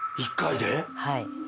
はい。